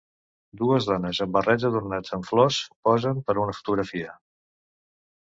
Dues dones amb barrets adornats amb flors posen per a una fotografia.